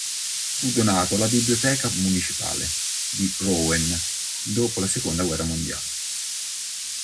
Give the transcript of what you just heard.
Fu donato alla Biblioteca Municipale di Rouen dopo la Seconda Guerra Mondiale.